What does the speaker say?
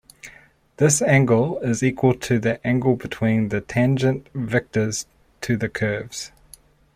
This angle is equal to the angle between the tangent vectors to the curves.